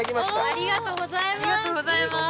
ありがとうございます。